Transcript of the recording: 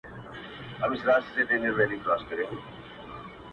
• اې د ویدي د مست سُرود او اوستا لوري.